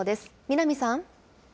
南さん。